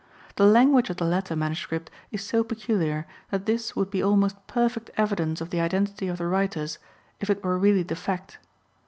The language of the latter MS. is so peculiar that this would be almost perfect evidence of the identity of the writers, if it were really the fact.